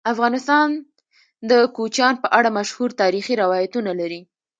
افغانستان د کوچیان په اړه مشهور تاریخی روایتونه لري.